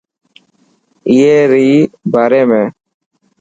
اي ري باري ۾.